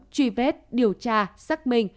truy vết điều tra xác minh